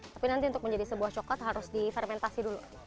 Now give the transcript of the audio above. tapi nanti untuk menjadi sebuah coklat harus difermentasi dulu